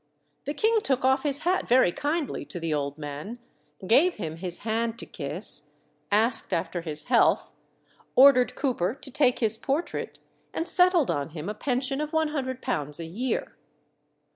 The king took off his hat very kindly to the old man, gave him his hand to kiss, asked after his health, ordered Cooper to take his portrait, and settled on him a pension of £100 a year.